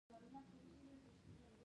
چې ټول ارمانونه مې له منځه ځي .